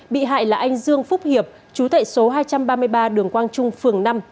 bị hại là anh dương phúc hiệp chú tại số hai trăm ba mươi ba đường quang trung phường năm